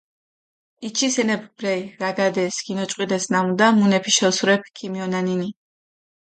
იჩის ენეფქ ბრელი, რაგადეს, გინოჭყვიდეს ნამუდა, მუნეფიში ოსურეფი ქიმიჸონანინი.